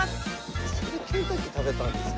なんでケンタッキー食べたんですか。